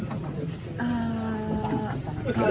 gak seperti yang lain